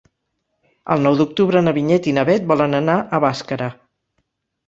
El nou d'octubre na Vinyet i na Bet volen anar a Bàscara.